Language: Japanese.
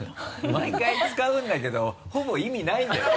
毎回使うんだけどほぼ意味ないんだよね。